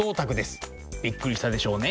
びっくりしたでしょうね。